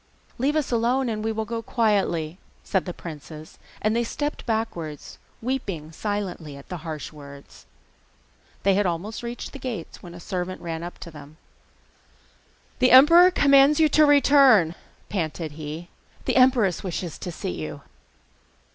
'Leave us alone, and we will go quietly,' said the princes, and stepped backwards, weeping silently at the harsh words. They had almost reached the gates when a servant ran up to them. 'The emperor commands you to return,' panted he: 'the empress wishes to see you.